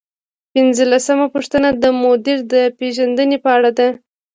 پنځلسمه پوښتنه د مدیر د پیژندنې په اړه ده.